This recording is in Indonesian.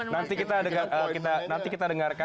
nanti kita dengarkan dari bang ciko dan juga bang ara